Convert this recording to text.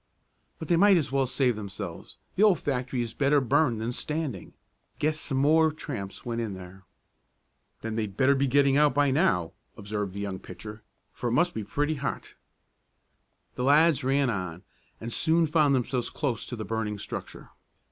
"But they might as well save themselves. The old factory is better burned than standing. Guess some more tramps went in there." "Then they'd better be getting out by now," observed the young pitcher, "for it must be pretty hot." The lads ran on, and soon found themselves close to the burning structure.